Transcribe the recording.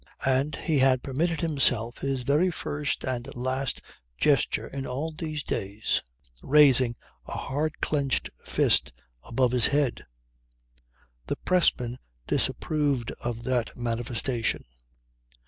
And he had permitted himself his very first and last gesture in all these days, raising a hard clenched fist above his head. The pressman disapproved of that manifestation.